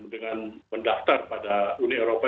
dengan mendaftar pada uni eropa